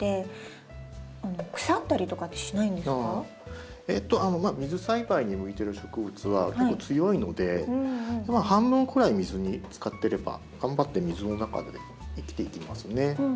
こうやって水に浸けるって水栽培に向いてる植物は強いので半分くらい水に浸かってれば頑張って水の中で生きていきますね。